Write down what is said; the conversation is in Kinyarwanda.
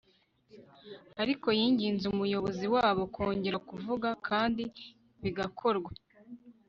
ariko yinginze umuyobozi wabo kongera kuvuga kandi bigakorwa